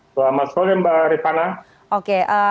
selamat sore mbak ripana